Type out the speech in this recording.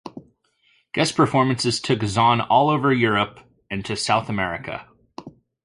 Guest performances took Zaun all over Europe and to South America.